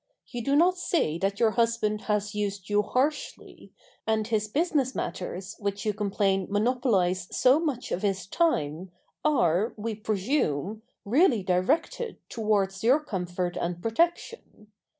You do not say that your husband has used you harshly, and his business matters which you complain monopolize so much of his time are, we presume, really directed towards your comfort and protection.